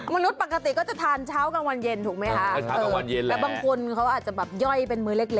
มนุษย์ปกติก็จะทานเช้ากลางวันเย็นถูกไหมคะแต่บางคนเขาอาจจะแบบย่อยเป็นมื้อเล็ก